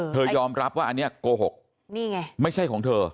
เธอยอมรับว่าอันเนี่ยโกหกไม่ใช่ของเธอ